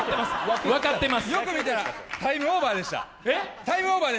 よく見たらタイムオーバーでした。